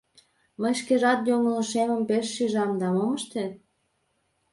Мый шкежат йоҥылышемым пеш шижым да мом ыштет?